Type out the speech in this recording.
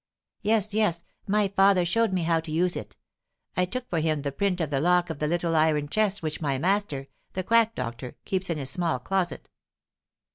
"Yes, yes, my father showed me how to use it. I took for him the print of the lock of the little iron chest which my master, the quack doctor, keeps in his small closet."